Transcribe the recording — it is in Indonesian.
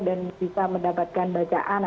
dan bisa mendapatkan bacaan